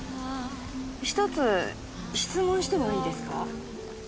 １つ質問してもいいですか？